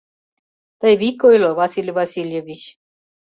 Тый вик ойло, Василий Васильевич?